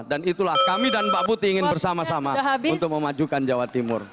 dan itulah kami dan mbak buti ingin bersama sama untuk memajukan jawa timur